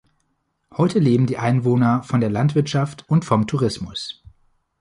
Heute leben die Einwohner von der Landwirtschaft und vom Tourismus.